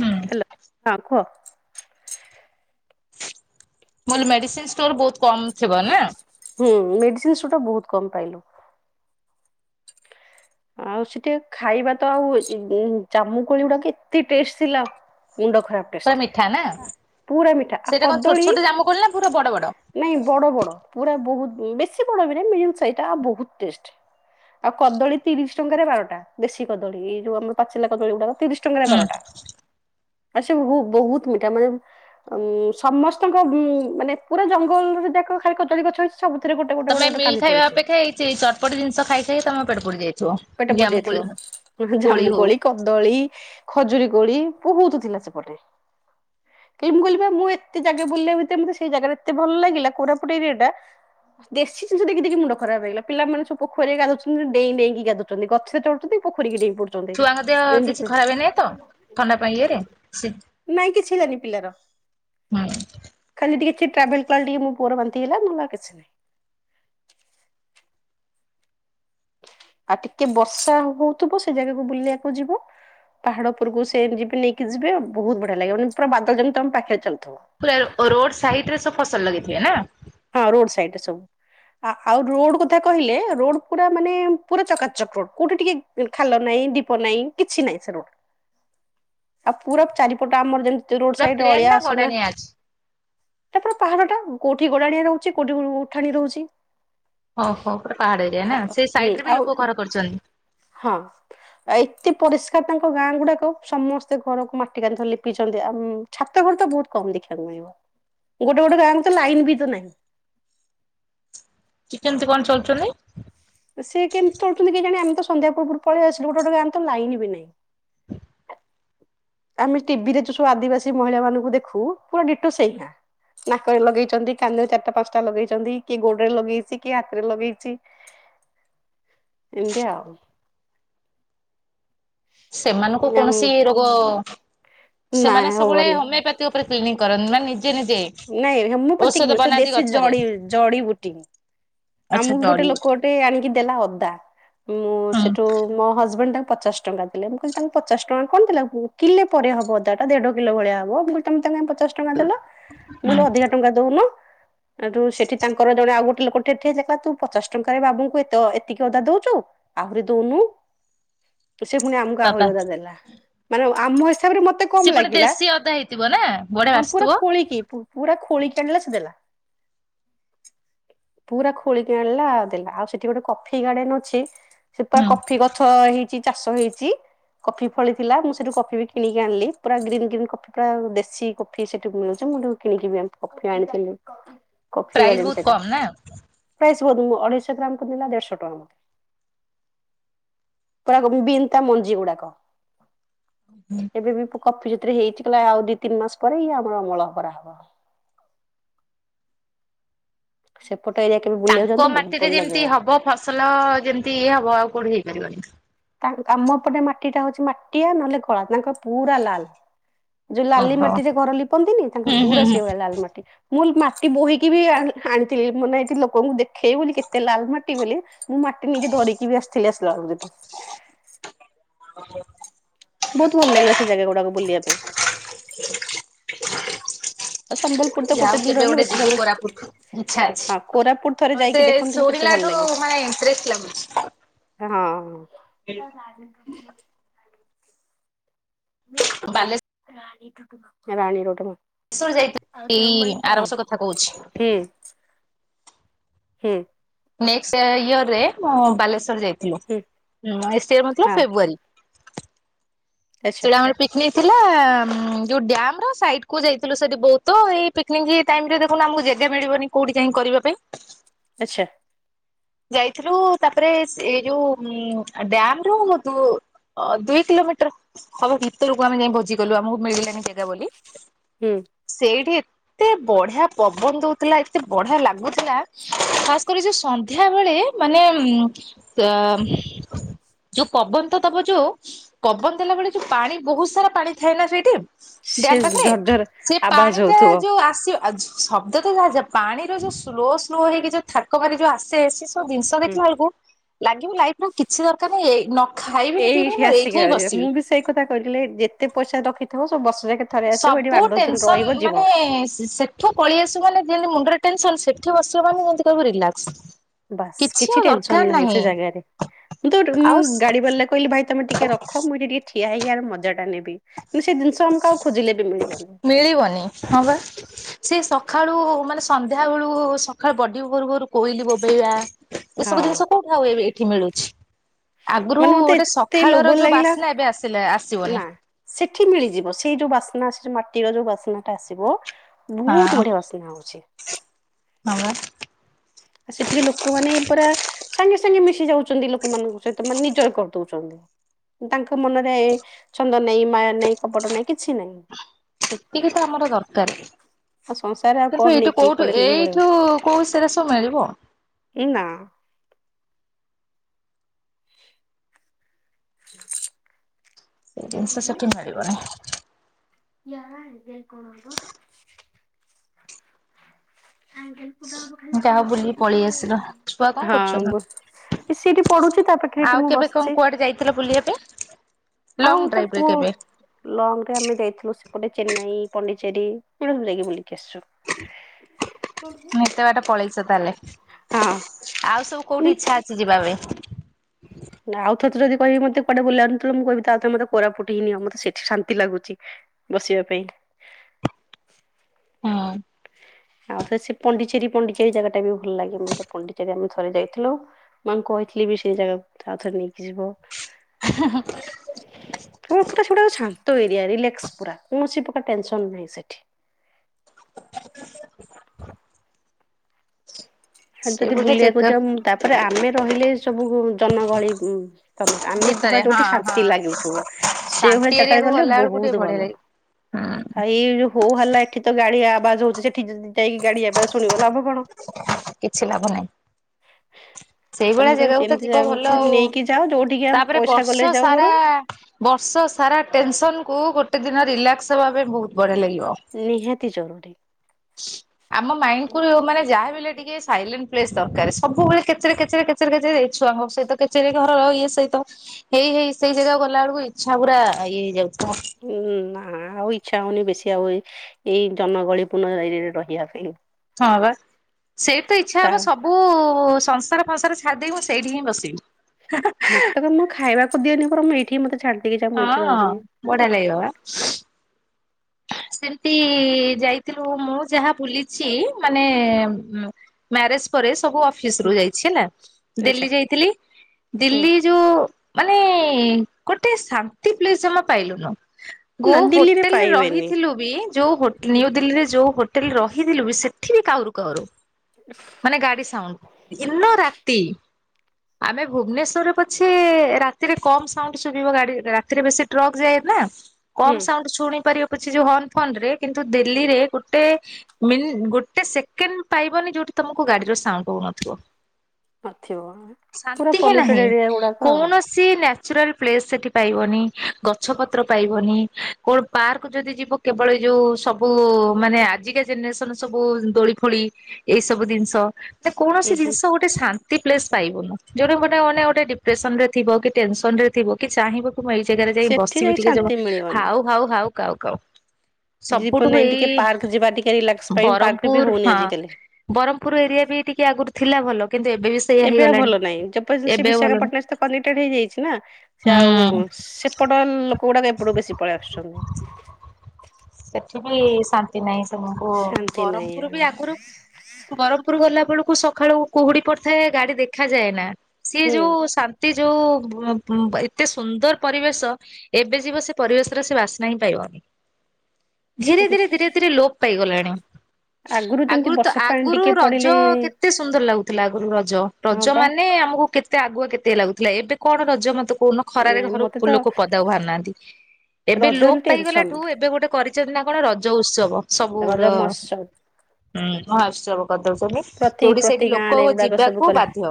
ହୁଁ ମୁଁ ହାଲୋ ହଁ କୁହ। ମୁଁ କହିଲି ମେଡିସିନ୍ ଷ୍ଟୋର ବହୁତ କମ୍ ଥିବ ନା? ହୁଁ ମେଡିସିନସୁଟା ବହୁତ କମ୍ ପାଇଲୁ। ଆଉ ସେଠି ଖାଇବା ତ ଆଉ ଜାମୁକୋଳି ଗୁଡାକ ଏତେ ଟେଷ୍ଟ ଥିଲା। ମୁଣ୍ଡ ଖରାପ ପୁରା ମିଠା ନା। ଟେଷ୍ଟେ, ପୁରା ମିଠା ଆଉ ସେଇଟା କଣ ଛୋଟ କଦଳୀ ଛୋଟ ଜାମୁକୋଳି ନା ପୁରା ବଡ ବଡ। ନାଇଁ ବଡ଼ ବଡ଼ ପୁରା ବହୁ ବେଶୀ ବଡ଼ ନୁହେଁ ବି ମିଡିୟମ୍ ସାଇଜ୍ ଟା ଆଉ ବହୁତ ଟେଷ୍ଟ। ଆଉ କଦଳୀ ତିରିଶି ଟଙ୍କାରେ ବାରଟା ଦେଶୀ କଦଳୀ ଏଇ ଯୋଉ ଆମର ପାଚିଲା କଦଳୀ ଗୁଡାକ ତିରିଶି ଟଙ୍କାରେ ହୁଁ ବାରଟା। ଆରେ ସେ ବହୁ ବହୁତ ମିଠା ମାନେ ହୁଁ ସମସ୍ତଙ୍କ ମାନେ ପୁରା ଜଙ୍ଗଲରେ ଯାକ ଖାଲି କଦଳୀ ଗଛ ଅଛି। ସବୁଥିରେ ଗୋଟ ଗୋଟେ ଗୋଟେ କାନ୍ଦି ପଡ଼ିଚି। ସେଇ ଚଟପଟି ଜିନିଷ ଖାଇ ଖାଇ ତମ ପେଟ ପୋଡ଼ି ଯାଇଥିବ। ପେଟ ଜାମୁକୋଳି ହଉ ପୋଡିଯାଇଥିବ ଜାମୁ କୋଳି କଦଳୀ, ଖଜୁରୀ କୋଳି ବହୁତୁ ଥିଲା ସେପଟେ। [unintelligible] ଏ ଯୋଉ ମୁଁ କହିଲି ପା ଏତେ ଜାଗା ବୁଲିଲା ଭିତରେ ମତେ ସେଇ ଜାଗା ଏତେ ଭଲ ଲାଗିଲା କୋରାପୁଟ ଏରିଆ ଟା। ଦେଶୀ ଜିନିଷ ଦେଖି ଦେଖି ମୁଣ୍ଡ ଖରାପ ହେଇଗଲା, ପିଲାମାନେ ସବୁ ପୋଖରୀରେ ଗାଧଉଛନ୍ତି ଡେଇଁ ଡେଇଁକି ଗାଧଉ ଛନ୍ତି, ଗଛରେ ଚଢୁଚନ୍ତି ପୋଖରୀ କି ଡେଇଁ ପଡୁ ଛୁଆଙ୍କ ଦେହ କିଛି ଖରାପ ନାହିଁ ତ? ଥଣ୍ଡା ପାଇଁ ଇଏରେ ସେ, ନାଇଁ କିଛି ହେଲାନି ପିଲାର ହୁଁ। ଖାଲି ଟିକେ ଟ୍ରାଭେଲ କାଲ ଟିକେ ମୋ ପୁଅର ବାନ୍ତି ହେଲା ନହେଲେ ଆଉ କିଛି ନାହିଁ। ଆ ଟିକେ ବର୍ଷା ହଉଥିବ ସେ ଜାଗାକୁ ବୁଲିବାକୁ ଯିବ। ପାହାଡ଼ ଉପରକୁ ସେ ଯିବି ନେଇକି ଯିବେ ବହୁତ ବଢିଆ ଲାଗିବ। ମାନେ ପୁରା ବାଦଲ ଯେମିତି ତମ ପାଖରେ ଚାଲୁଥିବ। ପୁରା ଅ ରୋଡ୍ ସାଇଡ୍ ରେ ସବୁ ଫସଲ ଲଗେଇଥିବେ ନା? ହଁ ରୋଡ୍ ସାଇଡରେ ସବୁ। ହ ଆଉ ରୋଡ୍ କଥା କହିଲେ ରୋଡ୍ ପୁରା ମାନେ ପୁରା ଚକାଚକ୍ ରୋଡ୍ କୋଉଠି ଟିକେ ଖାଲ ନାହିଁ, ଢ଼ିପ ନାହିଁ, କିଛି ନାହିଁ ସେ ରୋଡ଼୍। [unintelligible] ଆ ପୁରା ଚାରିପଟ ଆମର ଯେମିତି ତି ରୋଡ୍ ପୁରା ସାଇଡରେ ପ୍ଲେନ୍ ଅଳିଆ ନା ଆସନା ଗଡାଣିଆ ଅଛି? ତାପରେ ପାହାଡ଼ ଟା କୋଉଠି ଗଡାଣିଆ ରହୁଚି, କୋଉଠି ଉଠାଣି ରହୁଚି। ଓହୋ ପୁରା ପାହାଡ ଏରିଆ ନା ସେ ସାଇଟରେ ବି ଆଉ ଲୋକ ଘର କରିଚନ୍ତି। ହଁ। ଆ ଏତେ ପରିଷ୍କାର ତାଙ୍କ ଗାଁ ଗୁଡାକ ସମସ୍ତେ ଘରକୁ ମାଟି କାନ୍ଥ ଲିପିଛନ୍ତି ଆମ୍ ଛାତ ଘର ତ ବହୁତ କମ୍ ଦେଖିବାକୁ ମିଳିବ। ଗୋଟେ ଗୋଟେ ଗାଁରେ ତ ଲାଇନ୍ ବି ତ ନାହିଁ। ଚି କେମିତି କଣ ଚଳୁଚନ୍ତି? ସେ କେମିତି ଚଳୁଚନ୍ତି କେଜାଣି। ଆମେ ତ ସନ୍ଧ୍ୟା ପୂର୍ବରୁ ପଳେଇଆସିଲୁ ଗୋଟେ ଗଟେ ଗାଁରେ ତ ଲାଇନ ବି ନାହିଁ। [unintelligible] ଆମେ ଟିଭି ରେ ଯୋଉ ସବୁ ଆଦିବାସୀ ମହିଳା ମାନଙ୍କୁ ଦେଖୁ ପୁରା ଡିଟୋ ସେଇଆ। ନାକରେ ଲଗେଇଚନ୍ତି, କାନରେ ଚାରିଟା ପାଞ୍ଚଟା ଲଗେଇଚନ୍ତି, କିଏ ଗୋଡରେ ଲଗେଇଚି, କିଏ ହାତରେ ଲଗେଇଚି। [unintelligible] ଏମିତି ଆଉ। ସେମାନଙ୍କୁ କୌଣସି ରୋଗ, ନାଇଁ ସେମାନେ ସବୁବେଳେ ହବନି। ହୋମିଓପା ତି ଉପରେ କ୍ଲିନିଂ କରନ୍ତି ମାନେ ନିଜେ ନିଜେ। ନାଇଁ ହୋମିଓପାଥିକ୍ ଔଷଧ ନଉଚ ଯୋଉ ବନାନ୍ତି ଦେଶୀ ଗଛରେ। ଜଡି ଜଡିିବୁଟି। ଆଚ୍ଛା ଆମକୁ ଗୋଟେ ଜଡିବୁ ଲୋକଟେ ଆଣିକି ଦେଲା ଅଦା, ମୁଁ ହୁଁ ସେଠୁ ମୋ ହଜବେଣ୍ଡ ତାଙ୍କୁ ପଚାଶ ଟଙ୍କା ଦେଲେ। ମୁଁ କହିଲି ତାଙ୍କୁ ପଚାଶ ଟଙ୍କା କଣ ଦେଲ କିଲେ ପରେ ହବ ଅଦା ଟା। ଏ ଦେଢ କିଲୋ ଭଳିଆ ହବ, ମୁଁ କହିଲି ତମେ ତାନେ କାଇଁ ପଚାଶ ଟଙ୍କା ଦେଲ, ମୁ କହିଲି ଅଧିକା ଟଙ୍କା ଦଉନ। ଏଠୁ ସେଠି ତାଙ୍କର ଜଣେ ଆଉ ଗୋଟେ ଲୋକ ଟେ ଠିଆ ଥିଲା କା ତୁ ପଚାଶ ଟଙ୍କାରେ ବାବୁଙ୍କୁ ଏତେ ଏତିକି ଅଦା ଦଉଚୁ ଆହୁରି ଦଉନୁ। [unintelligible] ସେ ପୁଣି ଆମକୁ ବାପା ଆହୁରି ଅଦା ଦେଲା। ମାନେ ଆମ ହିସାବରେ ମତେ ତେ ସେ କମ୍ ପୁଣି ଲାଗିଲା। ଦେଶୀ ଅଦା ହେଇଥିବ ନା ବଢିଆ ହାଁ ବାସୁଥିବ। ପୁରା ଖୋଳିକି ପୁ ପୁରା ଖୋଳିକି ଆଣିଲା ସେ ଦେଲା। ପୁରା ଖୋଳିକି ଆଣିଲା ଦେଲା। ଆଉ ସେଠି ଗୋଟେ କଫି ଗାର୍ଡେନ ଅଛି ସେ ପୁରା ହୁଁ କଫି ଗଛ ହେଇ ଚି ଚାଷ ହେଇଚି। କଫି ଫଳିଥିଲା ମୁଁ ସେଇଠୁ କଫି ବି କିଣିକି ଆଣିଲି। ପୁରା ଗ୍ରୀନ୍ ଗ୍ରୀନ୍ କଫି ଟା ପୁରା ଦେଶୀ କଫି ସେଇଠୁ ମିଳୁଚି ମୁଁ ଏ ଟୁ କିଣିକି ବି ଏମ୍ କଫି ଆଣିଥିଲି। ପ୍ରାଇଜ୍ ବହୁତ କମ୍ ନା? ପ୍ରାଇଜ୍ ବହୁତ ମୁଁ ଅଢେଇଶହ ଗ୍ରାମ୍ କୁ ନେଲା ଦେଢଶହ ଟଙ୍କା। ପୁରା କ ବିନ୍ ତା ମଞ୍ଜି ଗୁଡାକ। ହୁଁ। ଏବେ ବି କଫି ଯେଥିରେ ହେଇଚି କହିଲା ଆଉ ଦି ତିନି ମାସ ପରେ ଇଏ ଆମର ଅମଳ କରାହବ। ସେପଟ ଏରିଆ କେବେ ବୁଲିବାକୁ ତାଙ୍କ ଯାଆନ୍ତୁ ବହୁତ ମାଟିରେ ଭଲ ଯେମିତି ଲାଗିବ ହବ ଫସଲ ଯେମିତି ଇଏ ହବ ଆଉ କୋଉଠି ହେଇପାରିବନି? ତାଙ୍କ୍ ଆମ ପଟେ ମାଟି ଟା ହଉଚି ମାଟିଆ ନହେଲେ କଳା ତାଙ୍କର ପୁରା ଲାଲ୍। ଯୋଉ ଲାଲି ଓହୋ ମାଟିରେ ଘର ଲିପନ୍ତିନି ତାଙ୍କ ହୁଁ ହୁଁ ପୁରା ହୁଁ ସେିଏ ହୁଏ ଲାଲ ମାଟି। ମୁଁ ମାଟି ବୋହିକି ବି ଆଣି ଆଣିଥିଲି। ମାନେ ଏଠି ଲୋକଙ୍କୁ ଦେଖେଇବି ବୋଲି କେତେ ଲାଲ ମାଟି ବୋଲି। ମୁଁ ମାଟି ନେଇକି ଧରିକି ବି ଆସିଥିଲି ଆସିଲା ବେଳକୁ ସେଠୁ। ଆ୍ଛା ବୋହୁତ୍ ଭଲ ଲାଗିଲା ସେ ଜାଗା ଗୁଡାକ ବୁଲିବା ପାଇଁ। ହ ସମ୍ବଲ୍ ଲାଷ୍ଟ କେବେ ଗୋଟେ ଯିବୁ କୋରାପୁଟ୍ ଇଚ୍ଛା ହଁ ଅଛି କୋରାପୁଟ ଥରେ ତ ସେ ଯାଇକି ଦେଖନ୍ତୁ କେତେ ଭଲ ଶୁଣିଲାଠୁ ଲାଗେ ମାନେ ଇଣ୍ଟ୍ରେଷ୍ଟ [unintelligible] ହଁ। ବାଲେଶ୍ ରାଣୀ ପାଖକୁ। ର ଯାଇଥିଲି ଏଇ ଆରବସ କଥା କହୁଛି। ହୁଁ ହୁଁ। ନେଷ୍ଟ ଇୟର ରେ ମୁଁ ବାଲେଶ୍ୱର ଯାଇଥିଲି। ନେଷ୍ଟ ଇୟର ମାନେ ହଁ ଫେବୃୟରୀ। ଆଚ୍ଛା ସେଟା ଆମର ପିକ୍ ନିକ୍ ଥିଲା ଉ ଯୋଉ ଡ୍ୟାମ୍ ର ସାଇଡ୍ କୁ ଯାଇଥିଲୁ ସେଠି ବହୁତ ଏଇ ଠିକ୍ ଟାଇମ୍ ରେ ଦେଖୁନୁ ଆମକୁ ଜାଗା ମିଳିବନି କୋଉଠି କାଇଁ କରିବା ପାଇଁ। ଆଚ୍ଛା। ଯାଇଥିଲୁ ତାପରେ ସେ ଏଇ ଯୋଉ ଡ୍ୟାମ୍ ରୁ ଅ ଦୁଇ କିଲୋମିଟର ହବ ଭିତରକୁ ଆମେ ଯାଇ ଭୋଜି କଲୁ ଆମକୁ ମିଳିଲାନି ଜାଗା ବୋଲି। ହୁଁ। ସେଇଠି ଏତେ ବଢିଆ ପବନ ଦୋଉଥିଲା ଏତେ ବଢିଆ ଲାଗୁଥିଲା ଖାସ୍ କରି ଯୋଉ ସନ୍ଧ୍ୟା ବେଳେ ମାନେ ଉ ଅ ଯୋଉ ପବନ ତ ଦବ ଯୋଉ ପବନ ଦେଲା ବେଳେ ଯୋଉ ପାଣି ବୋହୁତ୍ ସାରା ପାଣି ଥାଏ ନା ସେଇଠି ସେ ଡ୍ୟମ୍ ପାଖରେ, ଝରଝର ସେ ଆବାଜ ପାଣି ଟା ହଉଥିବ ଯୋଉ ଆସ ଶବ୍ଦ ତ ଯାହା ଯା ପାଣିର ଯୋଉ ସ୍ଲୋ ସ୍ଲୋ ହେଇକି ଯୋଉ ଥକ ମାରି ଯୋଉ ଆସେ ଜିନିଷ ହୁଁ ଦେଖିଲା ବେଳକୁ ଲାଗିବ ଲାଇଫ ର କିଛି ଦରକାର ନାଇଁ ଏ ଖାଇବିନି ପିଇବିନି ଏଇଠି ମୁଁ ଆସିକି ଏଇଠିଁ ରହିବେ ମୁଁ ବସିବି। ବି ସେଇ କଥା କହିଥିଲେ ଯେତେ ପଇସା ରଖିଥିବ ସବୁ ବ ସବୁ ଟେନସନ୍ ମାନେ ସେ ଏଠୁ ପଳେଇ ଆସୁବୁ ମାନେ ଯେମିତି ମୁଣ୍ଡରେ ଟେନସନ୍ ସେଠି ବସିବୁ ମାନେ ଯେମିତି କହିବୁ ରିଲାକ୍ସ। ବାସ୍ କିଛି ଟେନସନ୍ ନାହିଁ ସେ ଜାଗାରେ। ମୁଁ ତ ମୁଁ ଆଉ ଗାଡି ବାଲା କହିଲି ଭାଇ ତମେ ଟିକେ ରଖ, ମୁଁ ଏଠି ଟିକେ ଠିଆ ହେଇକି ଆର ମଜା ଟା ନେବି। କିନ୍ତ ସେ ଜିନିଷ ଆମକୁ ଆଉ ଖୋଜିଲେ ବି ମିଳିବନି। ମିଳିବନି। ହଁ ବା। ସେ ସଖାଳୁ ମାନେ ସନ୍ଧ୍ୟା ବେଳୁ ସକାଳୁ ବଡି ଭୋରୁ ଭୋରୁ, କୋଇଲି ବୋବେଇବା ହଁ ଏସବୁ ଜିନିଷ କୋଉଠୁ ଆଉ ଏବେ ଏଠି ମିଳୁଛି। ଆଗରୁ ମାନେ ମତେ ଗୋଟେ ଏତେ ଲୋଭ ସକାଳର ଯୋଉ ଲାଗିଲା ବାସ୍ନା ଏବେ ଆସିଲେ ଆସିବନି। ନା। ସେଠି ମିଳିଯିବ। ସେଇ ଯୋଉ ବାସ୍ନା ଆସୁଚି ମାଟିର ଯୋଉ ବାସ୍ନାଟା ଆସିବ ହଁ ବୋହୁତ୍ ବଢିଆ ବାସ୍ନା। ହୋଉଛି। ହଁବା। ଆଉ ସେଠିକି ଲୋକମାନେ ପୁରା ସାଙ୍ଗେ ସାଙ୍ଗେ ମିଶି ଯାଉଛନ୍ତି ଲୋକମାନଙ୍କ ସହିତ ମାନେ ନିଜର କରିଦଉଛନ୍ତି। ତାଙ୍କ ମନରେ ଛନ୍ଦ ନାଇଁ ମାୟା ନାଇଁ କପଟ ନାହିଁ କିଛି ନାହିଁ। ସେତିକି ତ ଆମର ଦରକାର୍। ଆଉ ସଂସାରରେ ଆଉ ତ କଣ ଏଇଠୁ ନେଇକି କିଏ କୋଉୁଠୁ, କୁଆଡେ ନେଇକି ପଳେଇବ ଏଇଠୁ କୋଉ ସେରା ସବୁ ମିଳିବ। ଏନା। ହ ସେଇ ଜିନିଷ ସେଠି ମିଳିବନି। ୟାର ଦେ କଣୁ [unintelligible] ଆ ଯାହା ହଉ ବୁଲିକି ପଳେଇ ଆସିଲ ଛୁଆ କଣ [unintelligible] ହଁ କରୁଛନ୍ତି? ବ ସେଠି ପଢୁଛି ତାପ ଆଉ କେବେ କଣ କୁଆଡେ ଯାଇଥିଲ ବୁଲିବା ପାଇଁ? ଲଙ୍ଗ ଆଉ ତ ଡ୍ରାଇଭ ରେ ପୁଅ କେବେ? ଲଙ୍ଗ ରେ ଆମେ ଯାଇଥିଲୁ ସେପଟେ ଚେନ୍ନାଇ, ପଣ୍ଡିଚେରୀ ଏଟା ସବୁ ଯାଇକି ବୁଲିକି ଆସିଛୁ। ଏତେ ବାଟ ପଳେଇଛ ତା ହେଲେ ହଁ। ଆଉ ସବୁ କୋଉଠି ଇଚ୍ଛା ଅଛି ଯିବା ପାଇଁ? ଆଉଥରେ ଯଦି କହିଵେ ମତେ କୁଆଡେ ବୁଲା [unintelligible] ମୁଁ କହିବି ଥରେ ମତେ କୋରାପୁଟ ହି ନିଅ ମତେ ସେଠି ଶାନ୍ତି ଲାଗୁଛି। ବସିବା ପାଇଁ। ହଁ। ଆଉ ଥରେ ସେ ପଣ୍ଡିଚେରୀ, ପଣ୍ଡିଚେରୀ ଜାଗା ଟା ବି ଭଲ ଲାଗେ ମତେ ପଣ୍ଡିଚେରୀ ଆମେ ଥରେ ଯାଇଥିଲୁ। ମୁଁ ଆଙ୍କୁ କହିଥିଲି ବି ସେଇ ଜାଗା ଆଉଥରେ ନେଇକି ଯିବ। ହା ହା ହା କେବଳ ପୁରା ସେଗୁଡ଼ା ଶାନ୍ତ ଏରିଆ ରିଲାକ୍ସ୍ ପୁରା କୌଣସି ପ୍ରକାର ଟେନସନ ନାହିଁ ସେଠି। ଆଉ ସେ ଯଦି ଗୋଟେ ଚେକ ବୁଲିବାକୁ ଯାଉ ତାପରେ ଆମେ ରହିଲେ ସବୁ ଜନଗହଳି ତମ ଆମେ ଭିତରେ ଯିବା ହଁ ଯୋଉଠି ହଁ ଶାନ୍ତି ଲାଗୁଥିବ ସେଇ ଶାନ୍ତି ଭଳିଆ ଜାଗାରେ ଏରିଆକୁ ଗଲେ ଗଲା ବେଳକୁ ଟିକେ ବହୁତ ବଢିଆ ଭଲ। ଲାଗେ। ହୁଁ। ହାଇ ଯୋଉ ହୋ ହାଲା ଏଠି ତ ଗାଡି ଆବାଜ ହଉଛି। ସେଠି ଯଦି ଯାଇକି ଗାଡି ଆବାଜ ଶୁଣିବ ଲାଭ କଣ। କିଛି ଲାଭ ନାହିଁ। ସେଇଭଳିଆ ତମକୁ ଜାଗାକୁ ତ ସେମିତି ଯିବା ଭଲ ଜାଗାକୁ ଆଉ, ନେଇକି ଯାଅ ଯୋଉଠିକି ଆମେ ତାପରେ ପଇସା ଗଲେ ବର୍ଷ ଯାଉ ସାରା ବରଂ ବର୍ଷ ସାରା ଟେନସନ କୁ ଗୋଟେ ଦିନ ରିଲାକ୍ସ ହବା ପାଇଁ ବହୁତ ବଢ଼ିଆ ଲାଗିବ। ନିହାତି ଜରୁରୀ। ଆମ ମାଇଣ୍ଡ କୁ ମାନେ ଯାହାଵି ହେଲେ ଟିକେ ସାଇଲେଣ୍ଟ ପ୍ଲେସ୍ ଦରକାର ସବୁବେଳେ କେଚେରେ କେଚେ କେଚେରେ କେଚେ ଏଇ ଛୁଆଙ୍କ ସହିତ କେଚେରେ ଘର ଇଏ ସହିତ ହେଇ ହେଇ ସେଇ ଜାଗା ଗଲା ବେଳକୁ ଇଚ୍ଛା ପୁରା ଇଏ ହେଇଯାଉଛି। ଉଁ ନା ଆଉ ଇଚ୍ଛା ହଉନି ବେଶୀ ଆଉ ଏ ଏଇ ଜନଗହଳିପୂଣ୍ଣ ଏରିଆରେ ରହିବା ପାଇଁ। ହଁ ବା ସେଇ ତ ଇଚ୍ଛା ତା ହବ ସବ ସବୁ ସଂସାର ଫସାର ଛାଡ଼ିଦେଇ ମୁଁ ସେଇଠି ହିଁ ବସିବି। ମତେ ତ ମୁଁ ଖାଇଵାକୁ ଦିଅନି ବରମ୍ ମୁଁ ଏଠି ମୋତେ ଛାଡି ଦେଇକି ଯା ମୁଁ ଏଇଠି ହଁ ରହିଯିବି। ବଢିଆ ଲାଗିବ ଵା। ସେମିତି ଯାଇଥିଲୁ ମୁଁ ଯାହା ବୁଲିଛି ମାନେ ମ୍ୟାରେଜ ପରେ ସବୁ ଅଫିସ ହୁଁ ରୁ ଯାଇଛି ହେଲା ଆଚ୍ଛା ଦିଲ୍ଲୀ ଯାଇଥିଲି ହୁଁ ଦିଲ୍ଲୀ ଯୋଉ ମାନେ ଗୋଟେ ଶାନ୍ତି ପ୍ଲେସ ଜମା ପାଇଲୁନୁ। ଗୋ ନା ଦିଲ୍ଲୀରେ ହୋଟେଲରେ ର ପାଇବେନି ଥିଲୁ ବି ଯୋଉ ହୁଁ ନିଉ ଦୀଲ୍ଲୀରେ ଯୋଉ ହୋଟେଲ ରହିଥିଲୁ ବି ସେଠି ବିି କାଉରୁ କାଉରୁ। ମାନେ ଗାଡ଼ି ସାଉଣ୍ଡ ଦୀନ ରାତି। ଆମେ ଭୁବନେଶ୍ୱରରେ ପଛେ ରାତିରେ କମ ସାଉଣ୍ଡ ଶୁଭିବ ଗାଡି ରାତିରେ ବେଶୀ ଟ୍ରକ୍ ଯାଏ ନା ହୁଁ କମ ସାଉଣ୍ଡ ଶୁଣି ପାରିବ କିଛି ହର୍ଣ ଫୋନ ରେ କିନ୍ତୁ ହୁଁ ଦିଲ୍ଲୀରେ ଗୋଟେ ମିନି ଗୋଟେ ସେକେଣ୍ଡ ପାଇବନି ଯୋଉଠି ତମକୁ ଗାଡିର ସାଉଣ୍ଡ ହଉନଥିବ। ନଥିବ। ପୁରା ଶାନ୍ତି ହିଁ ନାହିଁ ପଲ୍ୟୁଟେଡ୍ ଏରିଆ ଗୁଡାକ ଆଉ କୌଣସି କିଛି ନ୍ୟଚୁରାଲ ପ୍ଲେସ୍ ସେଠି ପାଇବନି, ଗଛ ପତ୍ର ପାଇବନି କଣ ପାର୍କ ଯଦି ଯିବ କେବଳ ଯୋଉ ସବୁ ମାନେ ଆଜିକା ଜେନେରେସନ ସବୁ ଦୋଳି ଫୋଳି ଏଇ ସବୁ ଜିନିଷ ନା ହୁଁ କୌଣସି ହୁଁ ଜିନିଷ ଗୋ ଗୋଟେ ଶାନ୍ତି ପ୍ଲେସ ପାଇବୁନୁ, ଯୋଉଟା ଗୋଟେ ମାନେ ଗୋଟେ ଡିପ୍ରେସନ ରେ ଥିଵ କି ଟେନସନ ରେ ଥିବ କି ଚାହିଁବ। ମୁଁ ଏଇ ଜାଗାରେ ଯାଇ ସେଠି ବସିବି ଟିକେ ଜମା ଶାନ୍ତି ମିଳିବନି। ହାଉ ହାଉ ହାଉ କାଉ କାଉ। ଯିବ ସବୁଠୁ ନାହିଁ ଟିକେ ଏଇ ପାର୍କ ଯିବା ଟିକେ ରିଲାକ୍ସ ପାଇଁ ପାର୍କରେ ବି ବ୍ରହ୍ମପୁର ହଉନି ହଁ। ଆଜିକାଲି। ବ୍ରହ୍ମପୁର ଏରିଆ ବି ଟିକେ ଆଗରୁ ଥିଲା ଭଲ କିନ୍ତୁ ଏବେ ବି ସେଇଆ ଏବେ ଆଉ ହେଇଗଲାଣି ଭଲ ନାହିଁ। ଯେପରି ସେ ଏବେ ଆଉ ଭଲ ନାହିଁ ବିଶାଖାପଟଣା ସହିତ କନେକ୍ଟେଡ ହେଇଯାଇଛି ନା ସେ ଆଉ ହୁଁ। ସେ ସେପଟ ଲୋକ ଗୁଡାକ ଏପଟୁ ବେଶୀ ପଳେଇ ଆସୁଛନ୍ତି। ସେଠି ବି ଶା ନ୍ତି ନାହିଁ ସେକୁ ଶାନ୍ତି ନାହିଁ ବ୍ରହ୍ମପୁର ବି ଆଉ ଆଗରୁ ବରମ ଉପୁରୁ ଗଲା ବେଳକୁ ସକାଳୁ କୁହୁଡି ପଡିଥାଏ ଗାଡି ଦେଖାଯାଏ ନା ସିଏ ହୁଁ। ଯୋଉ ସା ନ୍ତି ଯୋଉ ଏତେ ସୁନ୍ଦର ପରିବେଶ। ଏବେ ଯିବ ସେ ପରିବେଶ ରେ ସେ ବାସ୍ନା ହିଁ ପାଇବନି। ଧୀରେ ଧୀରେ ଧୀରେ ଧୀରେ ଲୋପ ପାଇଗଲାଣି ଯେମିତି ଆଗରୁ ତ ବର୍ଷା ପାଣି ଆଗରୁ ଟିକେ ପଡିଲେ ରଜ କେ କେତେ ସୁନ୍ଦର ଲାଗୁଥିଲା ଆଗରୁ ରଜ ହଁ ରଜ ପା ମାନେ ଆମକୁ କେତେ ଏତେ ଆଗୁଆ କେତେ ଲାଗୁଥିଲା ଏବେ କଣ ରଜ ମତେ କହୁନ ଖରାରେ ନାଇଁ ଘରୁ ମତେ ତ ଲୋକ ପଦା କୁ ବାହାରୁ ନାହାନ୍ତି। ଏବେ ରଜରେ ଲୋପ ଟେନସନ ପାଇଗଲାଠୁ ଏବେ ଗୋଟେ କରିଛନ୍ତି ନା କଣ ରଜ ଉତ୍ସବ ସବୁ ରଜ ର ମହୋତ୍ସବ ମହାଉତ୍ସବ କରିଦଉଛନ୍ତି। ପ୍ରତି ଯୋଉଠି ପ୍ରତି ସେଇଠି ଗାଁ ରେ ଲୋକ ଓ ଏଗୁଡାକ ସବୁ ଯିବାକୁ କଲେ ବାଧ୍ୟ।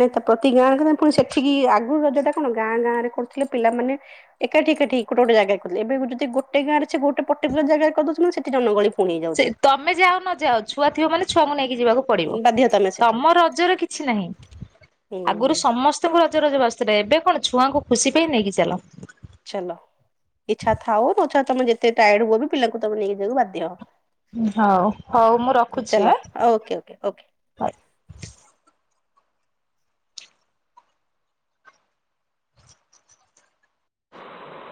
ନାଇଁ ତା ପ୍ରତି ଗାଁ ଗାଁ ପୁଣି ସେଠିକି ଆଗରୁ ରଜ ଟା କଣ ଗାଁ ଗାଁ ରେ କରୁଥିଲେ ପିଲାମାନେ। ଏକାଠି ଏକାଠି ହେଇକି କୋଉଠି ଗୋଟେ ଜାଗାକୁ ଖୋଜୁଥିଲି ଏବେ ଖୋଜୁଛି ଯଦି ଗୋଟେ ଗାଁରେ ଅଛି ଗୋଟେ ପଟିକୁଲାର ଜାଗାରେ କରିଦଉଛନ୍ତି ସେଠି ଜନଗହଳୀ। ସେ ତମେ ଯାଅ ନ ଯାଅ ଛୁଆ ଥିବ ମାନେ ଛୁଆଙ୍କୁ ନେଇକି ଯିବାକୁ ପଡିବ। ବାଧ୍ୟ ତମେ ସେଠି ତମ ରଜର କିଛି ନାହିଁ ହୁଁ ଆଗରୁ ସମ ସ୍ତଙ୍କୁ ରଜ ରଜ ବାସୁଥିଲା ଏବେ କଣ ଛୁଆଙ୍କୁ ଖୁସି ପାଇଁ ନେଇକି ଚାଲ। ଚାଲ ଇଛା ଥାଉ ନଛା ତମେ ଯେତେ ଟାୟାର୍ଡ ହୁଅ ବି ପିଲାଙ୍କୁ ତମେ ନେଇକି ଯିବାକୁ ବାଧ୍ୟ। ହଉ ହଉ ମୁଁ ଚାଲ ରଖୁଛି ଆଁ। Okay okay okay.